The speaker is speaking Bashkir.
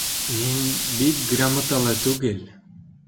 Мин бик грамоталы түгел